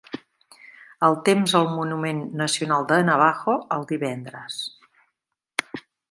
El temps al monument nacional de Navajo el divendres.